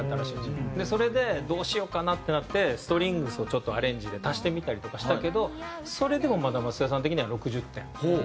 それでどうしようかな？ってなってストリングスをちょっとアレンジで足してみたりとかしたけどそれでもまだ松任谷さん的には６０点。